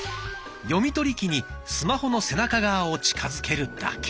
読み取り機にスマホの背中側を近づけるだけ。